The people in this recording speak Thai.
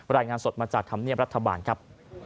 รายงานสดมาจากธรรมเนียมรัฐบาลครับ